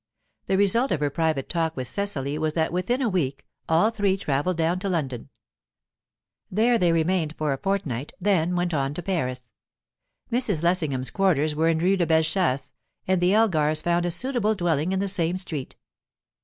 The result of her private talk with Cecily was that within a week all three travelled down to London; there they remained for a fortnight, then went on to Paris. Mrs. Lessingham's quarters were in Rue de Belle Chasse, and the Elgars found a suitable dwelling in the same street.